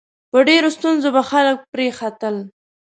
په ډېرو ستونزو به خلک پرې ختل.